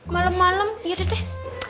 malem malem yaudah deh